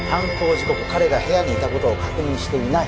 時刻彼が部屋にいたことを確認していない